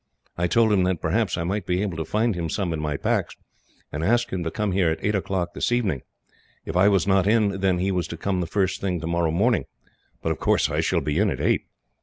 I told him that, perhaps, I might be able to find him some in my packs, and asked him to come here at eight o'clock this evening. If I was not in, then, he was to come the first thing tomorrow morning; but of course I shall be in at eight.